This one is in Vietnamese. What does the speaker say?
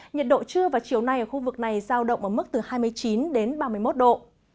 nhiệt độ trưa và chiều nay ở khu vực này giao động ở mức từ hai mươi chín đến ba mươi một độ